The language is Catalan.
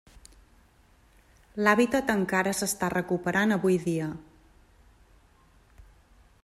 L'hàbitat encara s'està recuperant avui dia.